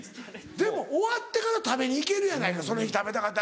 でも終わってから食べに行けるやないかその日食べたかったら。